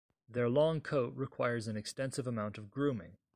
Their long coat requires an extensive amount of grooming.